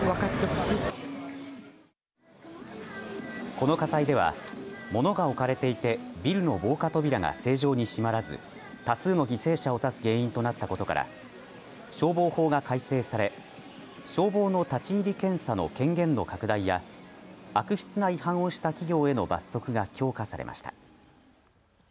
この火災では物が置かれていてビルの防火扉が正常に閉まらず多数の犠牲者を出す原因となったことから消防法が改正され消防の立ち入り検査の権限の拡大や悪質な違反をした企業への罰則が強化されました。